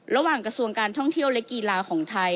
ระหว่างกระทรวงการท่องเที่ยวและกีฬาของไทย